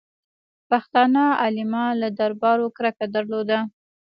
پښتانه علما له دربارو کرکه درلوده.